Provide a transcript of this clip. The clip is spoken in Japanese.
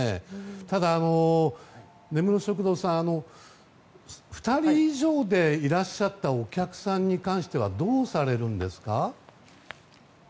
ただ、根室食堂さん２人以上でいらっしゃったお客さんに関してはどうされるんですか？